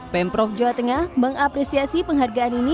pemprov jawa tengah mengapresiasi penghargaan ini